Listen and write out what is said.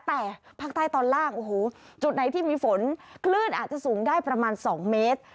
แต่ภาคใต้ตอนล่างโอ้โหจุดไหนที่มีฝนคลื่นอาจจะสูงได้ประมาณ๒เมตร